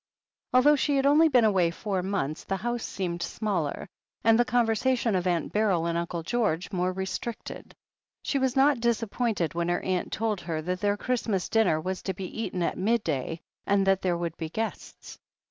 Although she had only been away four months, the house seemed smaller, and the conversation of Aunt 191 192 THE HEEL OF ACHILLES Beryl and Uncle George more restricted. She was not disappointed when her aunt told her that their Christ mas dinner was to be eaten at midday, and that there would be guests.